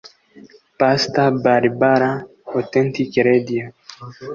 Pastor Barbara (Authentic Radio)